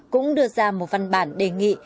cũng đưa ra một văn bản đề nghị